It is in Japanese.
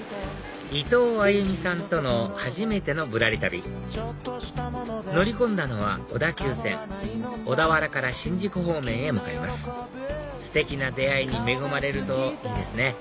伊藤歩さんとの初めての『ぶらり旅』乗り込んだのは小田急線小田原から新宿方面へ向かいますステキな出会いに恵まれるといいですね